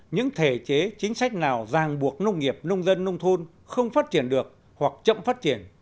những thể chế chính sách nào ràng buộc nông nghiệp nông dân nông thôn không phát triển được hoặc chậm phát triển